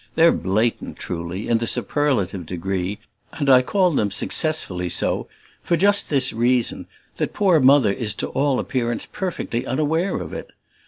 They're blatant, truly, in the superlative degree, and I call them successfully so for just this reason, that poor Mother is to all appearance perfectly unaware of it.